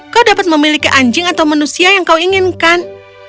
kau dapat memiliki anjing atau manusia yang kau inginkan